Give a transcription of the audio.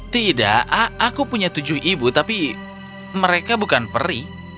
tidak aku punya tujuh ibu tapi mereka bukan peri